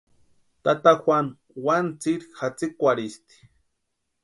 Tata Juanu wani tsiri jatsikwarhisti.